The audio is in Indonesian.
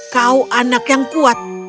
kau anak yang kuat